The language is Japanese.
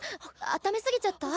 あっためすぎちゃった？